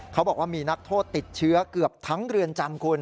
เขาบอกว่ามีนักโทษติดเชื้อเกือบทั้งเรือนจำคุณ